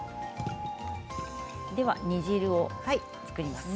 では煮汁を作りますね。